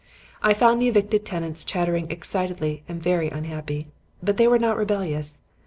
"I found the evicted tenants chattering excitedly and very unhappy. But they were not rebellious.